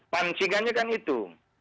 pancingannya kan itu